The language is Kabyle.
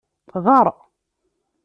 Ɣar!